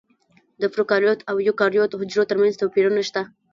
د پروکاریوت او ایوکاریوت حجرو ترمنځ توپیرونه شته.